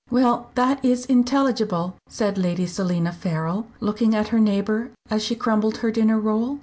"Well, that is intelligible," said Lady Selina Farrell, looking at her neighbour, as she crumbled her dinner roll.